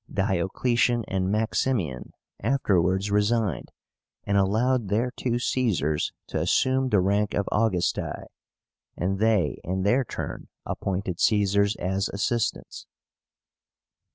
Diocletian and Maximian afterwards resigned, and allowed their two Caesars to assume the rank of AUGUSTI, and they in their turn appointed Caesars as assistants.